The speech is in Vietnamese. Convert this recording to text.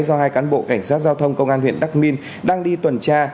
do hai cán bộ cảnh sát giao thông công an huyện đắc minh đang đi tuần tra